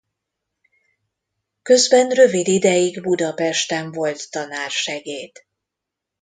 Közben rövid ideig Budapesten volt tanársegéd.